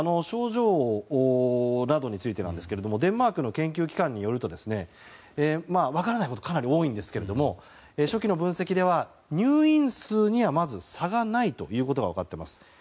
症状などについてですがデンマークの研究機関によると分からないことがかなり多いんですけど初期の分析では、入院数には差がないということが分かっています。